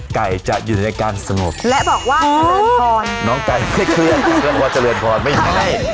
ไก่จะอยู่ในการสงบและบอกว่าจะเลือนพรน้องไก่ไม่เคลือดและบอกว่าจะเลือนพรไม่ใช่